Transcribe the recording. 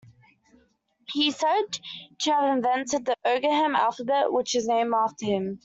He is said to have invented the Ogham alphabet, which is named after him.